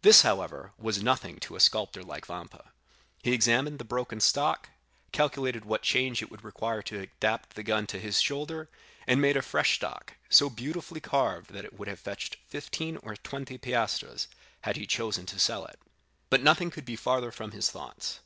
This, however, was nothing to a sculptor like Vampa; he examined the broken stock, calculated what change it would require to adapt the gun to his shoulder, and made a fresh stock, so beautifully carved that it would have fetched fifteen or twenty piastres, had he chosen to sell it. But nothing could be farther from his thoughts.